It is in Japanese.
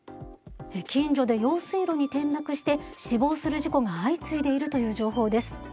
近所で用水路に転落して死亡する事故が相次いでいるという情報です。